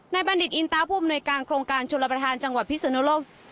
ในบัณฑิตอินตาภูมิในการโครงการชนประทานจังหวัดพิศนุโลก